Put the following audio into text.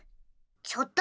ちょっと！